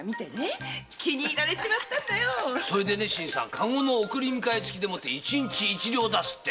駕籠の送り迎えつきで一日一両出すって！